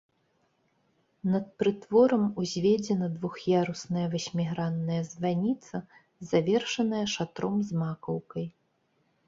Над прытворам узведзена двух'ярусная васьмігранная званіца, завершаная шатром з макаўкай.